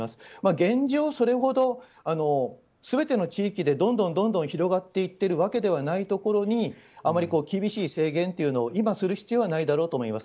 現状、それほど全ての地域でどんどん広がっているわけではないところにあまり厳しい制限というのを今する必要はないだろうと思います。